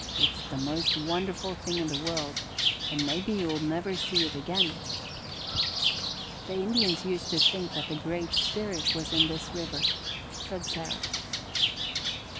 It's the most wonderful thing in the world and maybe you'll never see it again." "The Indians used to think that the Great Spirit was in this river," said Sarah.